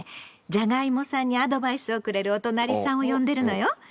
じゃがいもさんにアドバイスをくれるおとなりさんを呼んでるのよ。